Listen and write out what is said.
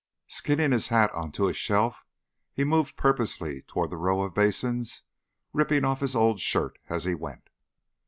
Skinning his hat onto a shelf, he moved purposefully toward the row of basins, ripping off his old shirt as he went.